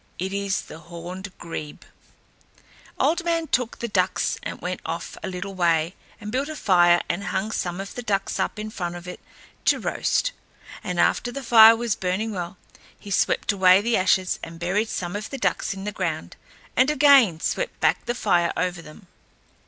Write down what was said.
It is the horned grebe. Old Man took the ducks and went off a little way and built a fire and hung some of the ducks up in front of it to roast, and after the fire was burning well, he swept away the ashes and buried some of the ducks in the ground and again swept back the fire over them.